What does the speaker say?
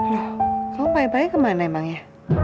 loh kamu baik baik ke mana emang ya